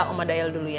mamah dahil dulu ya